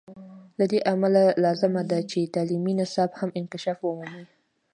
له دې امله لازمه ده چې تعلیمي نصاب هم انکشاف ومومي.